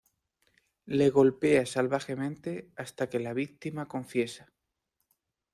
Le golpea salvajemente hasta que la víctima confiesa.